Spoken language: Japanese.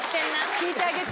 聞いてあげて。